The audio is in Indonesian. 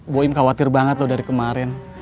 bu im khawatir banget loh dari kemarin